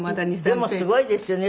でもすごいですよね。